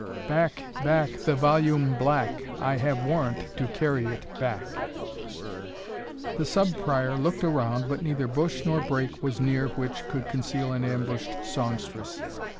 Back, back, The volume black! I have a warrant to carry it back." The Sub Prior looked around, but neither bush nor brake was near which could conceal an ambushed songstress.